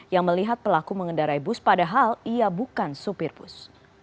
yang melihat pelaku mengendarai bus padahal ia bukan supir bus